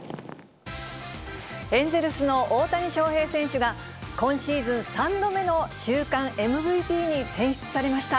エンゼルスの大谷翔平選手が、今シーズン３度目の週間ＭＶＰに選出されました。